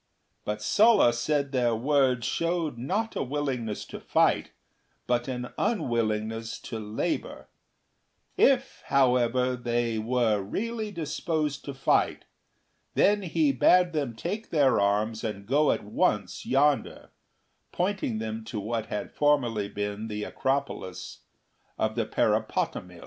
But Sulla said their words showed not a willingness to fight, but an unwillingness to labour; if, however, they were really disposed to fight, then he bade them take their arms and go at once yonder, pointing them to what had formerly been the acropolis of Parapotamii.